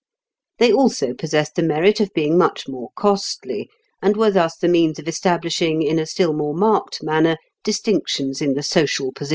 They also possessed the merit of being much more costly, and were thus the means of establishing in a still more marked manner distinctions in the social positions of the wearers.